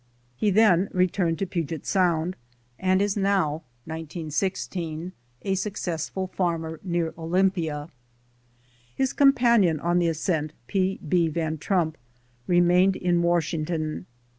He then returned to Puget Sound, and is now a successful farmer near Olympia. His companion on the ascent, P. B. Van Trump, remained in Washington.